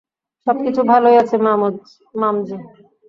সবকিছু ভালোই আছে, মামজি।